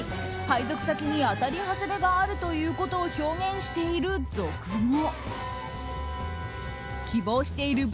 配属先に当たり・はずれがあるということを表現している俗語。